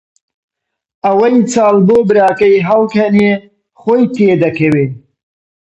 ئەوەی چاڵ بۆ براکەی هەڵکەنێ خۆی تێی دەکەوێ !